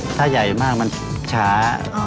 ถ้าใหญ่มากมันช้า